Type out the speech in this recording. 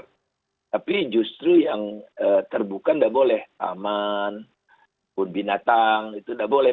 tapi justru yang terbuka tidak boleh taman pun binatang itu tidak boleh